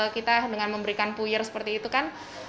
kita dengan memberikan puyir seperti itu kan